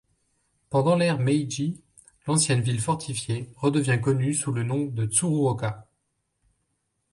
Pendant l'ère Meiji, l'ancienne ville fortifiée redevient connue sous le nom de Tsuruoka.